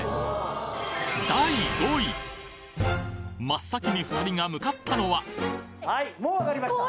真っ先に２人が向かったのははいもう分かりました。